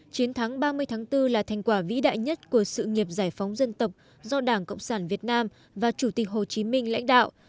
chiến thắng ba mươi tháng bốn là thành quả vĩ đại nhất của sự nghiệp giải phóng dân tộc do đảng cộng sản việt nam và chủ tịch hồ chí minh lãnh đạo